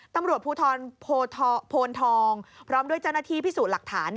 ตำรวจภูทรโพนทองพร้อมด้วยเจ้าหน้าที่พิสูจน์หลักฐาน